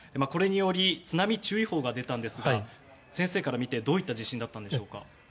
これにより津波注意報が出たんですが先生から見てどういった地震でしたか？